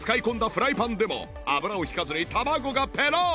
フライパンでも油も引かずに卵がペロン！